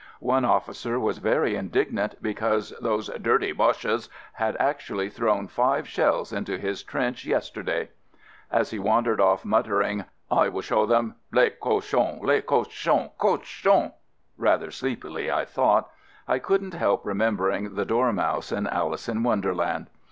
One officer was very indignant because those "dirty Boches" had actually thrown five shells into his trench yesterday! As he wandered off muttering, "7 will show them ! les cochons — les cochons — co chons," rather sleepily, I thought — I could n't help remembering the Dormouse in "Alice in Wonderland."